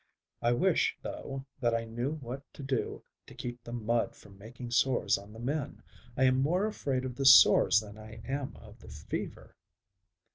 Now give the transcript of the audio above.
I wish, though, that I knew what to do to keep the mud from making sores on the men. I am more afraid of the sores than I am of the fever."